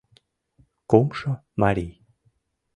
Кумшо марий.